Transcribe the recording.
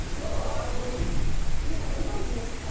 皆さんご存じですか？